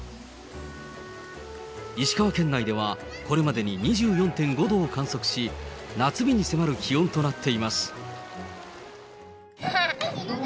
石川県内ではこれまでに２４．５度を観測し、夏日に迫る気温となっています。